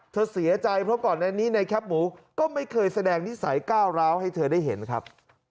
เธอเสียใจเพราะก่อนอันนี้ในแคปหมูก็ไม่เคยแสดงนิสัยก้าวร้าวให้เธอได้เห็นครับ